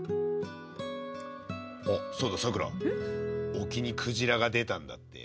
沖にクジラが出たんだってよ。